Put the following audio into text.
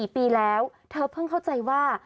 ๔ปีแล้วเธอเพิ่งเข้าใจว่า